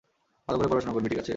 ভালো করে পড়াশুনা করবি, ঠিক আছে?